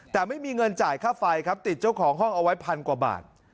แต่ไม่มีเงินจ่ายค่าไฟครับติดเจ้าของห้องเอาไว้พันกว่าบาท